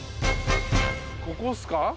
ここっすか？